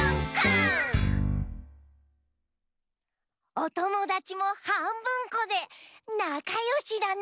おともだちもはんぶんこでなかよしだね。